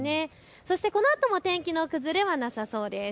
そしてこのあとも天気の崩れはなさそうです。